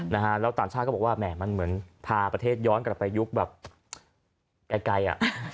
แล้วต่างชาติก็บอกว่ามันเหมือนพาประเทศย้อนกลับไปยุคแบบไกล